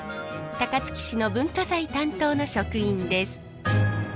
高槻市の文化財担当の職員です。